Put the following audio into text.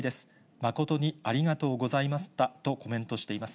誠にありがとうございましたとコメントしています。